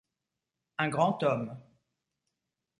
Un grand homme.